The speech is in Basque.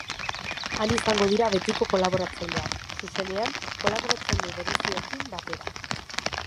Han izango dira betiko kolaboratzaileak, zuzenean, kolaboratzaile bereziekin batera.